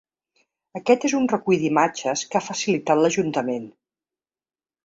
Aquest és un recull d’imatges que ha facilitat l’ajuntament.